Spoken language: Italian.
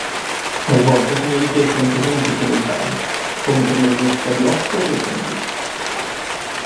Talvolta sono richiesti anche esami supplementari, come per le Università di Oxford e Cambridge.